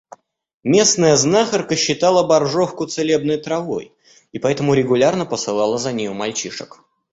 Местная знахарка считала боржовку целебной травой и поэтому регулярно посылала за нею мальчишек.